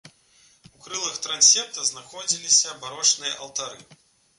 У крылах трансепта знаходзіліся барочныя алтары.